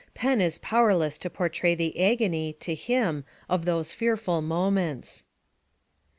Pen is powerless to portray the agony, to him, of those fearful moments.